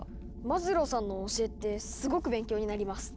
マズローさんの教えってすごく勉強になります。